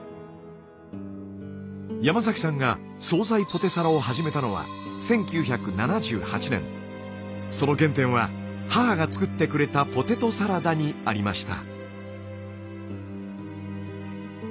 山崎さんが総菜ポテサラを始めたのはその原点は母が作ってくれたポテトサラダにありました。